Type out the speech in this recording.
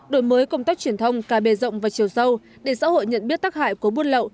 đổi mới công tác truyền thông cả bề rộng và chiều sâu để xã hội nhận biết tác hại của buôn lậu